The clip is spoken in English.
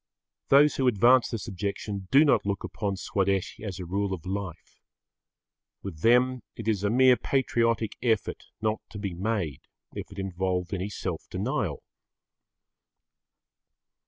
Those who advance this objection do not look upon Swadeshi as a rule of life. With them it is a mere patriotic effort not to be made if it involved any self denial.